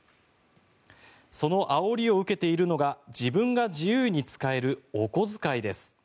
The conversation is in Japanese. そのあおりを受けているのが自分が自由に使えるお小遣いです。